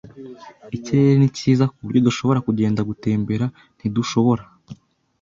Ikirere ni cyiza, kuburyo dushobora kugenda gutembera, ntidushobora?